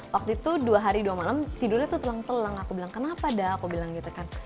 waktu itu dua hari dua malam tidurnya tuh telang telang aku bilang kenapa dah aku bilang gitu kan